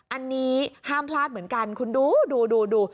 อันนี้ห้ามพลาดเหมือนกันคุณดูดูดู